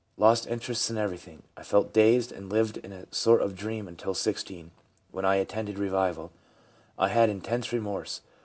I lost interest in everything ; I felt dazed and lived in a sort of dream until 16, when I attended revival. I had intense remorse.